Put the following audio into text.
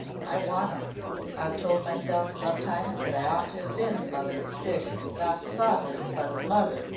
"I want 'em. I've told myself sometimes that I ought to have been the mother of six not the father but the mother.